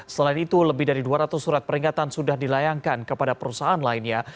selain itu lebih dari dua ratus surat peringatan sudah dilayangkan kepada perusahaan lainnya